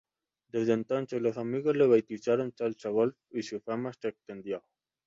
Desde entonces los amigos la bautizaron salsa golf y su fama se extendió.